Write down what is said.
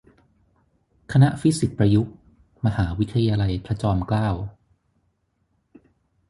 คณะฟิสิกส์ประยุกต์ มหาวิทยาลัยพระจอมเกล้า